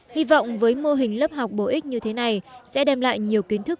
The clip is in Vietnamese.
hy vọng với mô hình lớp học bổ ích như thế này sẽ đem lại nhiều kiến thức